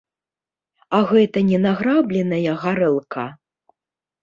А гэта не награбленая гарэлка?